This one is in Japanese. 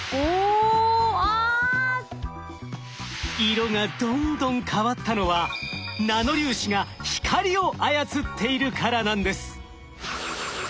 色がどんどん変わったのはナノ粒子が光を操っているからなんです。